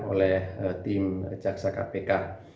oleh tim jasa kpk